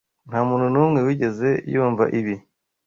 Nta muntu numwe wigeze yumva ibi.